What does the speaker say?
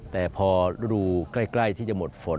แต่พอรูใกล้ที่จะหมดฝน